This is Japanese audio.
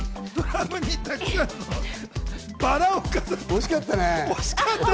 惜しかったね。